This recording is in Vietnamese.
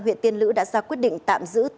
huyện tiên lữ đã ra quyết định tạm giữ